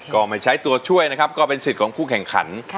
ก็ไม่ใช้ตัวช่วยนะครับก็เป็นสิทธิ์ของผู้แข่งขัน